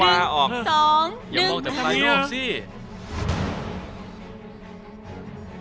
ช่างเบาที่บันทึก